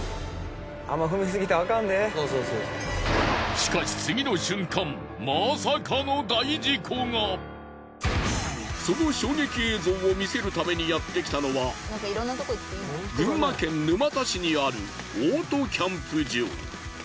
しかし次の瞬間その衝撃映像を見せるためにやってきたのは群馬県沼田市にあるオートキャンプ場。